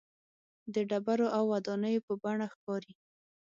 د ډبرو او ودانیو په بڼه ښکاري.